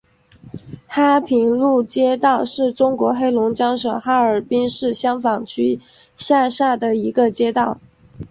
哈平路街道是中国黑龙江省哈尔滨市香坊区下辖的一个街道。